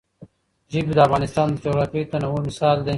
ژبې د افغانستان د جغرافیوي تنوع مثال دی.